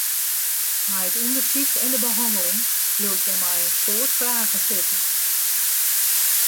Nei it ûndersyk en de behanneling bliuwt hja mei in soad fragen sitten.